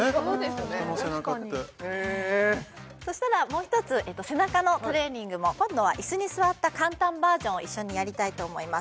そしたらもう一つ背中のトレーニングも今度は椅子に座った簡単バージョンを一緒にやりたいと思います